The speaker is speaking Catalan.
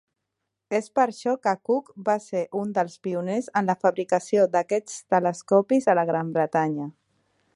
És per això que Cooke va ser un dels pioners en la fabricació d'aquests telescopis a la Gran Bretanya.